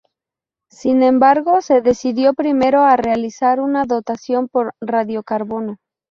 Sin embargo, se decidió primero realizar una datación por radiocarbono.